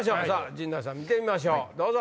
陣内さん見てみましょうどうぞ！